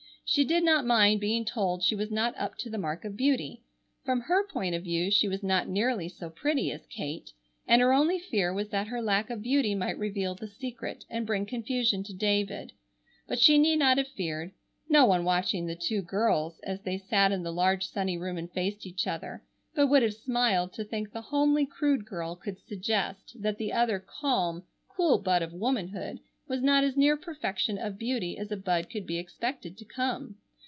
She did not mind being told she was not up to the mark of beauty. From her point of view she was not nearly so pretty as Kate, and her only fear was that her lack of beauty might reveal the secret and bring confusion to David. But she need not have feared: no one watching the two girls, as they sat in the large sunny room and faced each other, but would have smiled to think the homely crude girl could suggest that the other calm, cool bud of womanhood was not as near perfection of beauty as a bud could be expected to come.